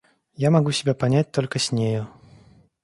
Я могу себя понять только с нею.